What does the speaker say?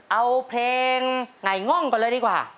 เอาเพลงไหนง่องก่อนเลยดีกว่า